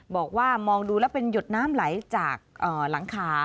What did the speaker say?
บอกว่ามองดูแล้วเป็นหยดน้ำไหลจากหลังคา